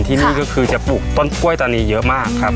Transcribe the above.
ที่นี่ก็คือจะปลูกต้นกล้วยตานีเยอะมากครับ